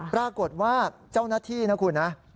ปรากฏว่าเจ้าหน้าที่นะคุณนะ